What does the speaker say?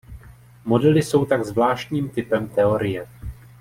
Modely jsou tak zvláštním typem teorie.